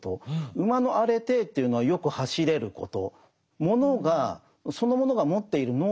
馬のアレテーというのはよく走れること。